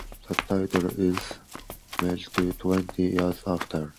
The title is a homage to "Twenty Years After", the novel by Alexandre Dumas.